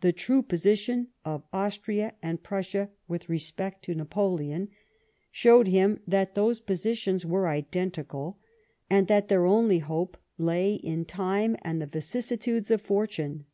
the true position of Austria and Prussia with respect to Napoleon, showed him that those positions were identical, and that their only hope lay in time and the vicissitudes of Fortune.